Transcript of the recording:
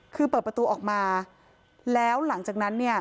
คือเปิดประตูออกมาแล้วหลังจากนั้นเนี่ย